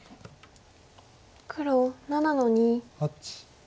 黒７の二。